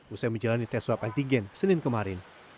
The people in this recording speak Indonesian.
usai menjalani tes swab antigen senin kemarin